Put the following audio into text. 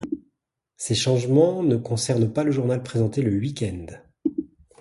Ces changements ne concernent pas le journal présenté le week-end.